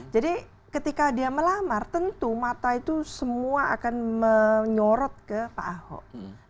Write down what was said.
jadi ketika dia melamar tentu mata itu semua akan menyorot ke pak ahok